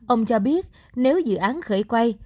ông cho biết nếu dự án khởi quay